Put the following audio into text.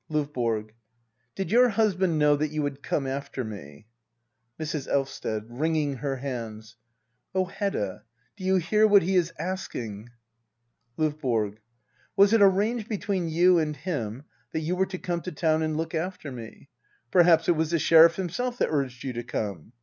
LdVBORO. Did your husband know that you had come after me ? Mrs. Elvsted. [Wringing her hands,] Oh, Hedda — do you hear what he is asking ? L5VB0RG. Was it arranged between you and him that you were to come to town and look after me ? Perhaps it was the Sheriff himself that urged you to come